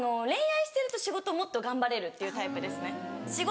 恋愛してると仕事もっと頑張れるというタイプですね。